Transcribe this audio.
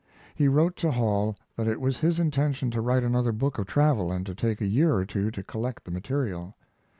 He wrote to Hall that it was his intention to write another book of travel and to take a year or two to collect the material.